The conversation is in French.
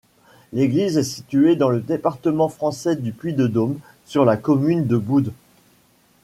L'église est située dans le département français du Puy-de-Dôme, sur la commune de Boudes.